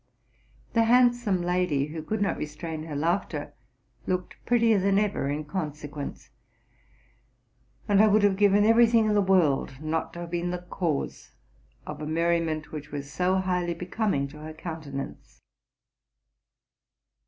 The handsome lady, who eould not restrain her laughter, looked prettier than ever in consequence ; and I would have given every thing in the world not to have been the cause of a merriment which was so highly becoming to her countenance.